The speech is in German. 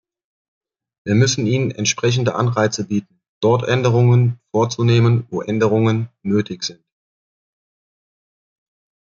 Wir müssen ihnen entsprechende Anreize bieten, dort Änderungen vorzunehmen, wo Änderungen nötig sind.